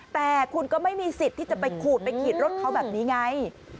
แต่คุณก็ไม่มีสิทธิ์ที่จะไปขูดไปขีดรถเขาแบบนี้ไง